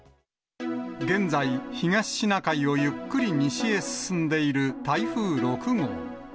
現在、東シナ海をゆっくり西へ進んでいる台風６号。